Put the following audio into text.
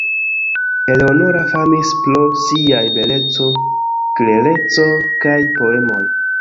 Eleonora famis pro siaj beleco, klereco kaj poemoj.